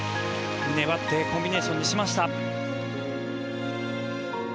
粘ってコンビネーションにしました。